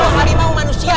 pak harimau manusia